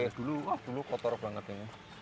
jadi dulu wah dulu kotor banget ini